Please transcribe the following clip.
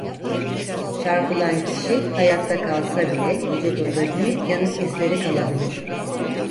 Çarpılan kişi hayatta kalsa bile vücudunda büyük yanık izleri kalabilir.